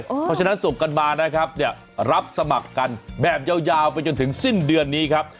เพราะฉะนั้นส่งกันมานะครับเนี่ยรับสมัครกันแบบยาวไปจนถึงสิ้นเดือนนี้ครับ